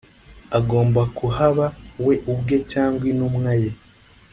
agomba kuhaba we ubwe cyangwa intumwa ye